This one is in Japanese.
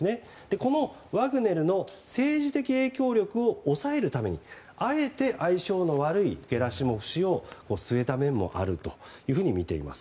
このワグネルの政治的影響力を抑えるためにあえて相性の悪いゲラシモフ氏を据えた面もあるというふうに見ています。